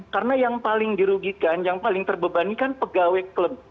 karena yang paling dirugikan yang paling terbebanikan pegawai klub